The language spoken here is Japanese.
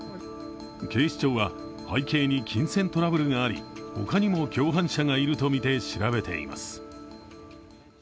警視庁は、背景に金銭トラブルがあり、他にも共犯者がいるとみて調べています。